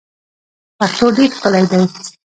پښتو ډیر ښکلی دی.